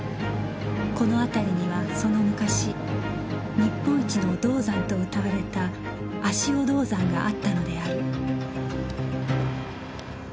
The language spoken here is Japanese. この辺りにはその昔日本一の銅山とうたわれた足尾銅山があったのである